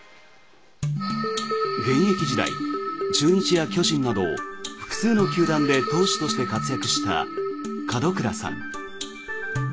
現役時代、中日や巨人など複数の球団で投手として活躍した門倉さん。